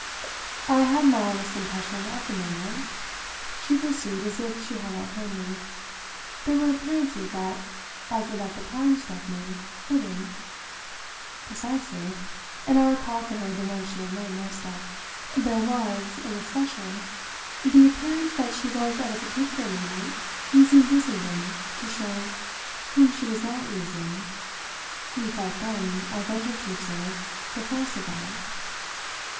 "I had my honest impression of the moment," she pursued as if she had not heard me. "There were appearances that, as it at the time struck me, fitted." "Precisely" and I recalled for her the one she had made most of. "There was in especial the appearance that she was at a particular moment using Brissenden to show whom she was not using. You felt then," I ventured to observe, "the force of that."